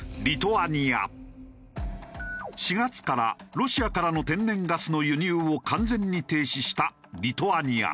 ４月からロシアからの天然ガスの輸入を完全に停止したリトアニア。